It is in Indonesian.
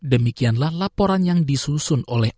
demikianlah laporan yang disusun oleh